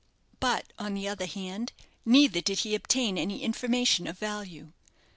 But, on the other hand, neither did he obtain any information of value.